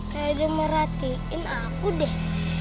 kayak dia merhatiin aku deh